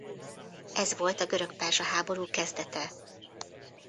Ez volt a görög-perzsa háború kezdete.